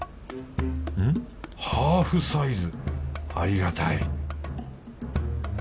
ハーフサイズありがたい。